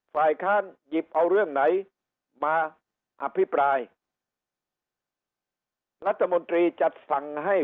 ฝ่ายค้านหยิบเอาเรื่องไหนมาอภิปรายรัฐมนตรีจะสั่งให้